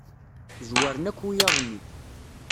Zwaren akk wiyaḍ-nni.